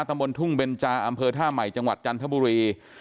บนทุ่งเบนจาอำเภอท่าใหม่จังหวัดจันทบุรี